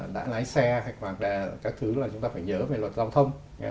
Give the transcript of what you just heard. đã lái xe hoặc các thứ là chúng ta phải nhớ về luật giao thông